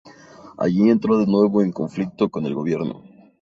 Allí entró de nuevo en conflicto con el gobierno.